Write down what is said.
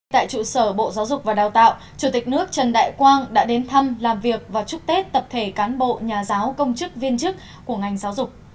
tại trụ sở bộ giáo dục và đào tạo chủ tịch nước trần đại quang đã đến thăm làm việc và chúc tết tập thể cán bộ nhà giáo công chức viên chức của ngành giáo dục